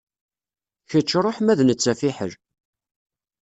Kečč ṛuḥ ma d netta fiḥel.